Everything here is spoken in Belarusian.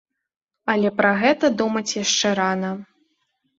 Але пра гэта думаць яшчэ рана.